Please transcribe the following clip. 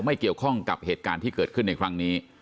ไม่เกี่ยวข้องกับเหตุการณ์ที่เกิดขึ้นในครั้งนี้